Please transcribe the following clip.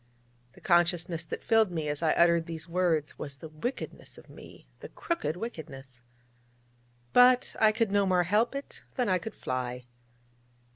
The consciousness that filled me as I uttered these words was the wickedness of me the crooked wickedness. But I could no more help it than I could fly.